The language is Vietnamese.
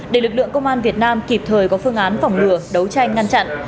để lực lượng công an việt nam kịp thời có phương án phòng ngừa đấu tranh ngăn chặn